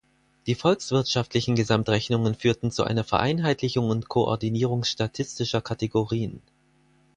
Die volkswirtschaftlichen Gesamtrechnungen führten zu einer Vereinheitlichung und Koordinierung statistischer Kategorien.